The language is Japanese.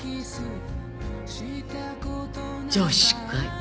女子会。